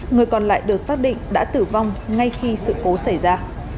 người còn lại được xác định đã tử vong ngay khi sự cố xảy ra